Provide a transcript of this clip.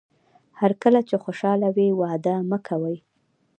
هر کله چې خوشاله وئ وعده مه کوئ.